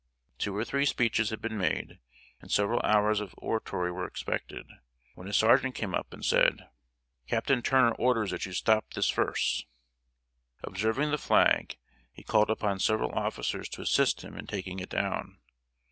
Two or three speeches had been made, and several hours of oratory were expected, when a sergeant came up and said: "Captain Turner orders that you stop this furse!" Observing the flag, he called upon several officers to assist him in taking it down.